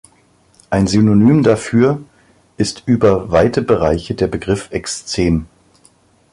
Ein Synonym dafür ist über weite Bereiche der Begriff „Ekzem“.